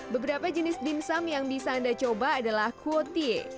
beberapa jenis dimsum yang bisa anda coba adalah kuotie